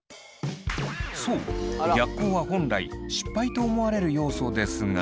そう逆光は本来失敗と思われる要素ですが。